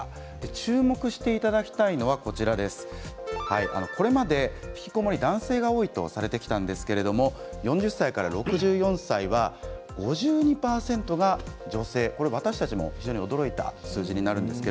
注目していただきたいのはこれまでひきこもりは男性が多いとされてきたんですが４０歳から６４歳は５２％が女性私たちもとても驚いた数字です。